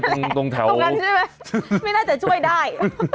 ตรงนั้นใช่ไหมไม่น่าจะช่วยได้